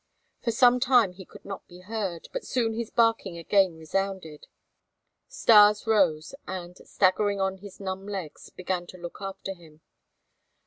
For some time he could not be heard, but soon his barking again resounded. Stas rose and, staggering on his numb legs, began to look after him.